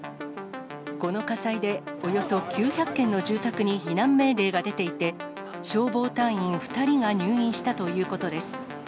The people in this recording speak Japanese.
この火災でおよそ９００軒の住宅に避難命令が出ていて、消防隊員２人が入院したということです。